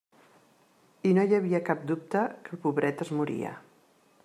I no hi havia cap dubte que el pobret es moria.